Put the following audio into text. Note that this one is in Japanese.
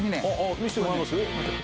見せてもらえます？